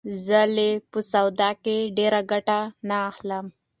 زه له په سواد کښي ډېره ګټه نه اخلم.